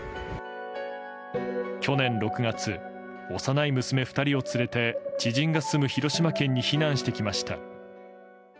去年６月、幼い娘２人を連れて知人が住む広島県に避難してきました。